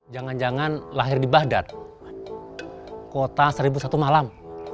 jangan jangan lahir di bahdar kota seribu satu malam